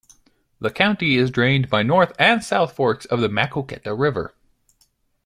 The county is drained by north and south forks of the Maquoketa River.